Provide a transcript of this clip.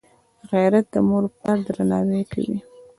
غیرت د موروپلار درناوی کوي